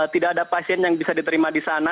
tidak ada pasien yang bisa diterima di sana